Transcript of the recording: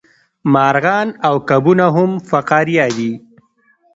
مارغان او کبونه هم فقاریه دي